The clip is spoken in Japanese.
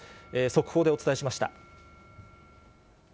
速報でお伝えしました。